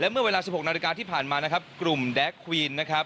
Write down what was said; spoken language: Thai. เมื่อเวลา๑๖นาฬิกาที่ผ่านมากลุ่มแดรกควีน